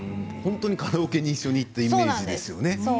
本当にカラオケに一緒に行ってる感じですよね。